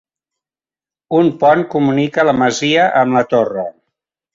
Un pont comunica la masia amb la torre.